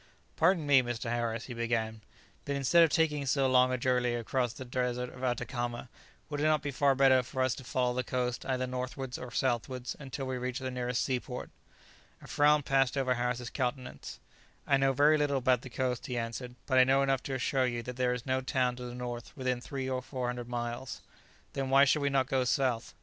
"Pardon me, Mr. Harris," he began, "but instead of taking so long a journey across the desert of Atacama, would it not be far better for us to follow the coast either northwards or southwards, until we reach the nearest seaport?" A frown passed over Harris's countenance. "I know very little about the coast," he answered; "but I know enough to assure you that there is no town to the north within 300 or 400 miles." "Then why should we not go south?"